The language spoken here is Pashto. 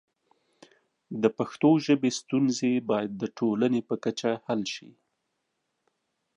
د پښتو ژبې ستونزې باید د ټولنې په کچه حل شي.